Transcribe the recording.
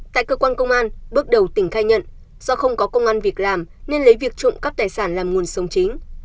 tại cơ quan công an bước đầu tỉnh khai nhận do không có công an việc làm nên lấy việc trộm cắp tài sản làm nguồn sống chính